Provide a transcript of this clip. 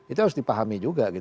itu harus dipahami juga